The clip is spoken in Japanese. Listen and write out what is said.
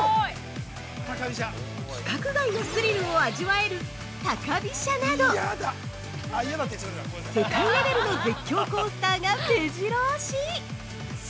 規格外のスリルを味わえる「高飛車」など世界レベルの絶叫コースターが目白押し！